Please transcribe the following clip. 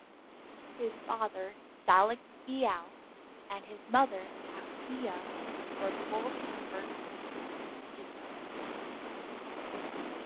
His father Salek Beale and his mother Aquillah, were both converts to Islam.